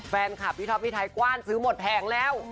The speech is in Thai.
แฟนคลับพี่ท็อปพี่ไทยกว้านซื้อหมดแผงแล้ว